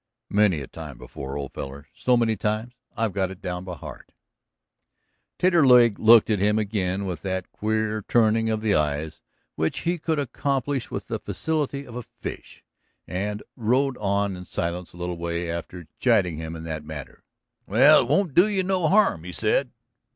"Many a time before, old feller, so many times I've got it down by heart." Taterleg looked at him again with that queer turning of the eyes, which he could accomplish with the facility of a fish, and rode on in silence a little way after chiding him in that manner. "Well, it won't do you no harm," he said.